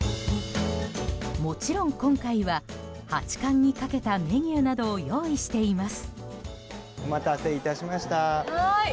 もちろん今回は八冠にかけたメニューなどを用意しています。